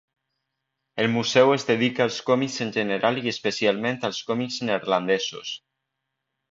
El museu es dedica als còmics en general i especialment als còmics neerlandesos.